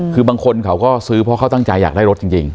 คือบางคนเขาก็ซื้อเพราะเขาตั้งใจอยากได้รถจริง